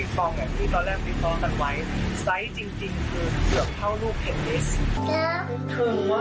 ผมต้องเปลี่ยนวิธีการใช้ชีวิตของผมแล้ว